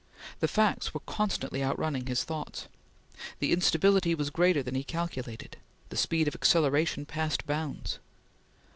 The facts were constantly outrunning his thoughts. The instability was greater than he calculated; the speed of acceleration passed bounds.